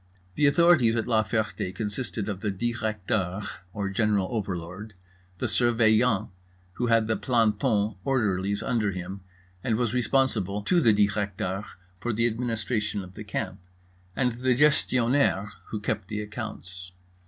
The authorities at La Ferté consisted of the Directeur, or general overlord, the Surveillant, who had the plantons (orderlies) under him and was responsible to the Directeur for the administration of the camp, and the Gestionnaire (who kept the accounts).